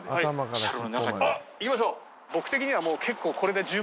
あっ行きましょう。